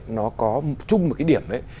nó có chung một cái điểm đấy